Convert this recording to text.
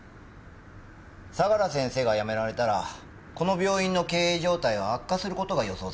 相良先生が辞められたらこの病院の経営状態は悪化する事が予想されます。